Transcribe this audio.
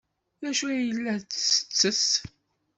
D acu ay la tettess?